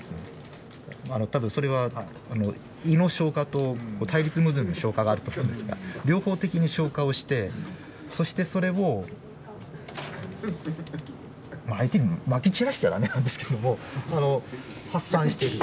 あの多分それはあの胃の消化と対立矛盾の消化があると思うんですが両方的に消化をしてそしてそれを相手にまき散らしちゃダメなんですけどもあの発散してる。